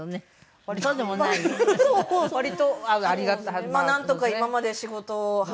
まあなんとか今まで仕事をはい。